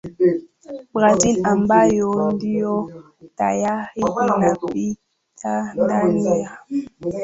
Brazil ambayo ndio tayari inapita ndani ya